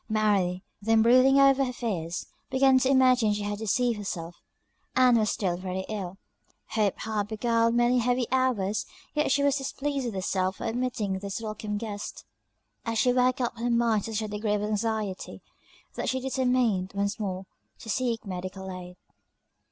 Mary, then brooding over her fears, began to imagine she had deceived herself Ann was still very ill; hope had beguiled many heavy hours; yet she was displeased with herself for admitting this welcome guest. And she worked up her mind to such a degree of anxiety, that she determined, once more, to seek medical aid.